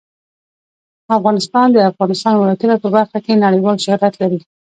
افغانستان د د افغانستان ولايتونه په برخه کې نړیوال شهرت لري.